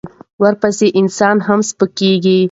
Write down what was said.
ورپسې انسان هم سپکېږي.